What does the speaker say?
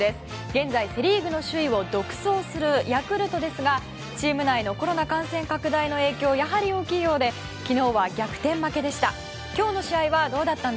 現在セ・リーグの首位を独走するヤクルトですがチーム内のコロナ感染拡大の影響やはり大きいようで昨日は逆転負けでした。